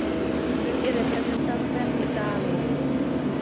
Byl i reprezentantem Itálie.